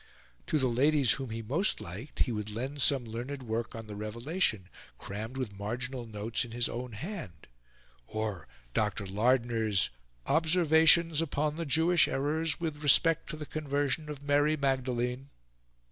To the ladies whom he most liked, he would lend some learned work on the Revelation, crammed with marginal notes in his own hand, or Dr. Lardner's "Observations upon the Jewish Errors with respect to the Conversion of Mary Magdalene."